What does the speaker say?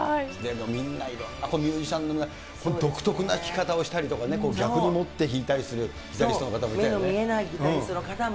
みんな、いろんなミュージシャン、この独特な弾き方をしたりね、逆に持って弾いたりするギタリス目の見えないギタリストの方も。